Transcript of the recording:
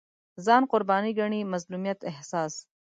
ځان قرباني ګڼي مظلومیت احساس